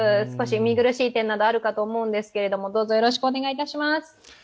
少し見苦しい点などあると思いますけれども、どうぞよろしくお願いいたします。